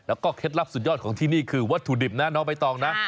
แล้วก็เคล็ดลับสุดยอดของที่นี่คือวัตถุดิบนะน้องใบตองนะ